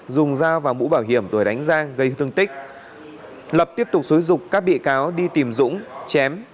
dùng dao và mũ bảo hiểm đuổi đánh giang gây thương tích lập tiếp tục xúi dục các bị cáo đi tìm dũng chém